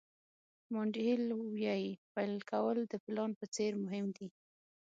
مانډي هیل وایي پیل کول د پلان په څېر مهم دي.